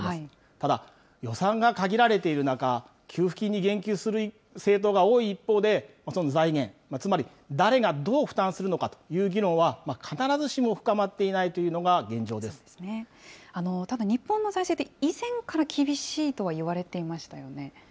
ただ、予算が限られている中、給付金に言及する政党が多い一方で、その財源、つまり誰がどう負担するのかという議論は、必ずしも深まっていなただ、日本の財政って、以前から厳しいとは言われていましたよね。